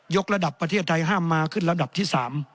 กระดับประเทศไทยห้ามมาขึ้นระดับที่๓